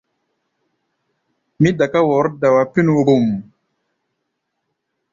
Mí daká wɔ̌r-dawa pí̧nu vbum.